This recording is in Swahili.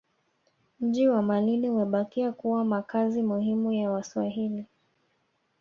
Mji wa Malindi Umebakia kuwa makazi muhimu ya Waswahili